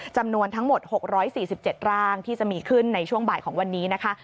จำนวนทั้งหมด๖๔๗ร่างที่จะมีขึ้นในช่วงบ่ายของวันนี้นะคะ